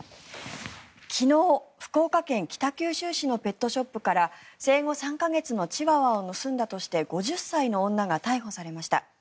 昨日、福岡県北九州市のペットショップから生後３か月のチワワを盗んだとして５０歳の女が逮捕されました。